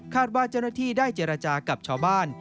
ว่าเจ้าหน้าที่ได้เจรจากับชาวบ้าน